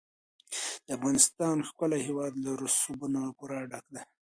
د افغانستان ښکلی هېواد له رسوبونو پوره ډک دی.